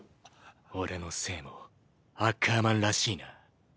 俺の姓もアッカーマンらしいな？